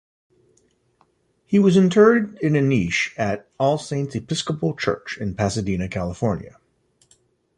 He was interred in a niche at All Saints Episcopal Church in Pasadena, California.